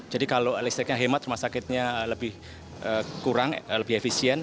jadi kalau listriknya hemat rumah sakitnya lebih kurang lebih efisien